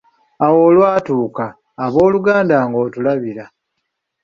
Awo lwatuuka, ab’oluganda ng’otulabira.